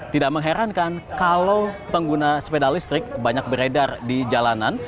tidak mengherankan kalau pengguna sepeda listrik banyak beredar di jalanan